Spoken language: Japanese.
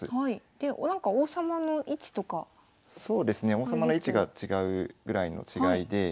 王様の位置が違うぐらいの違いで。